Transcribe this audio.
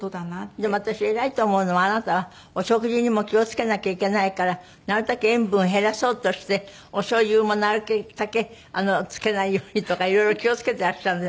でも私偉いと思うのはあなたお食事にも気を付けなきゃいけないからなるたけ塩分を減らそうとしておしょうゆもなるたけ付けないようにとか色々気を付けてらっしゃるんで。